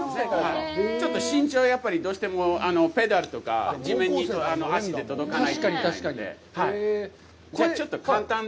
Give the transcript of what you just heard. ちょっと身長がどうしてもペダルとか、地面に足で届かないので。